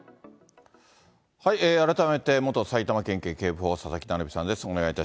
改めて元埼玉県警警部補、佐々木成三さんです。